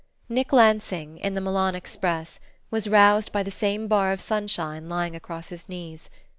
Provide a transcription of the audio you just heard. NICK LANSING, in the Milan express, was roused by the same bar of sunshine lying across his knees.